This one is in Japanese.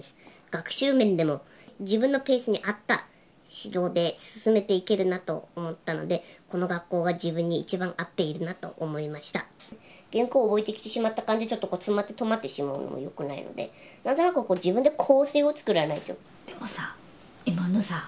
学習面でも自分のペースに合った指導で進めていけるなと思ったのでこの学校が自分に一番合っているなと思いました原稿を覚えてきてしまった感じでちょっと詰まって止まってしまうのもよくないので何となく自分で構成を作らないとでもさ今のさ